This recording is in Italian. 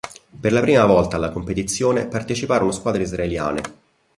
Per la prima volta alla competizione parteciparono squadre israeliane.